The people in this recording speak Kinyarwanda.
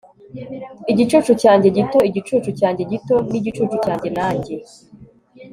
igicucu cyanjye gito igicucu cyanjye gito nigicucu cyanjye na njye